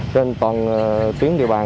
trên toàn tiếng địa bàn